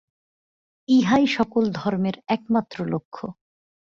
ইহাই সকল ধর্মের একমাত্র লক্ষ্য।